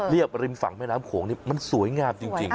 เรียกว่าริมฝั่งแม่น้ำโขงนี้มันสวยงามจริง